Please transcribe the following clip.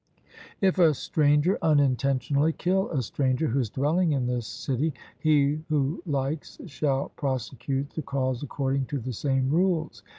If a stranger unintentionally kill a stranger who is dwelling in the city, he who likes shall prosecute the cause according to the same rules.